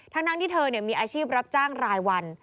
ทั้งนั้นที่เธอเนี่ยมีอาชีพรับจ้างรายวัน